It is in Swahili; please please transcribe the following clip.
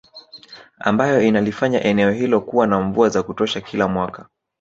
Ambayo inalifanya eneo hilo kuwa na mvua za kutosha kila mwaka